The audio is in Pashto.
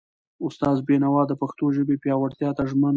استاد بینوا د پښتو ژبې پیاوړتیا ته ژمن و.